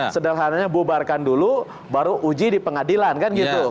sederhananya bubarkan dulu baru uji di pengadilan kan gitu